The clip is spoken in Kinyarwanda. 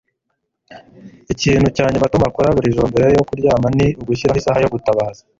Ikintu cya nyuma Tom akora buri joro mbere yo kuryama ni ugushiraho isaha yo gutabaza.